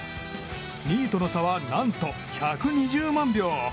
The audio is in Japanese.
２位との差は、何と１２０万票。